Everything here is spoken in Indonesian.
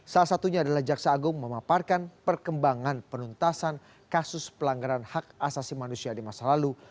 salah satunya adalah jaksa agung memaparkan perkembangan penuntasan kasus pelanggaran hak asasi manusia di masa lalu